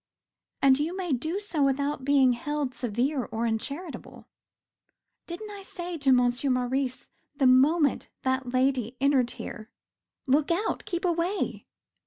And you may do so without being held severe or uncharitable. Didn't I say to Monsieur Maurice the moment that lady entered here: Look out! Keep away!